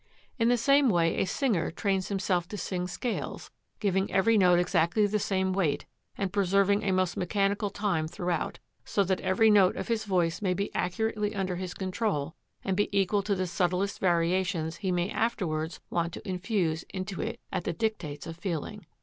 In the same way a singer trains himself to sing scales, giving every note exactly the same weight and preserving a most mechanical time throughout, so that every note of his voice may be accurately under his control and be equal to the subtlest variations he may afterwards want to infuse into it at the dictates of feeling.